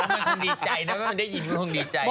มันคงดีใจนะว่ามันได้ยินก็คงดีใจ